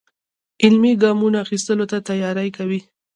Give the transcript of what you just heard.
عملي ګامونو اخیستلو ته تیاری کوي.